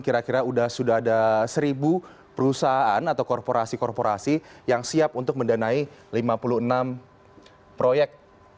karena sudah ada seribu perusahaan atau korporasi korporasi yang siap untuk mendanai lima puluh enam proyek